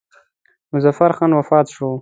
مظفر خان وفات شو.